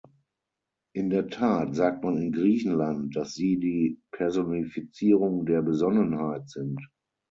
In der Tat sagt man in Griechenland, dass Sie die "Personifizierung der Besonnenheit" sind.